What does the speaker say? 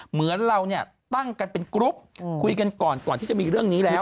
เหมือนเราเนี่ยตั้งกันเป็นกรุ๊ปคุยกันก่อนก่อนที่จะมีเรื่องนี้แล้ว